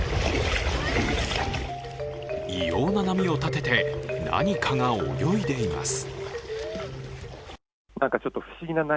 異様な波を立てて、何かが泳いでいます。